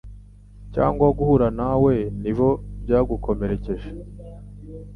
cyangwa guhura nawe nibo byagukomerekeje